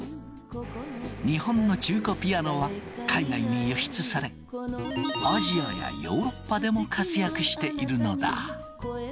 日本の中古ピアノは海外に輸出されアジアやヨーロッパでも活躍しているのだ。